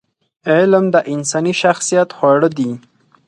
علم د انساني شخصیت خواړه دي.